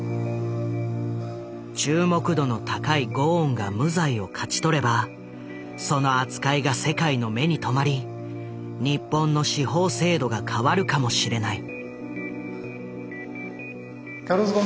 注目度の高いゴーンが無罪を勝ち取ればその扱いが世界の目に留まり日本の司法制度が変わるかもしれない。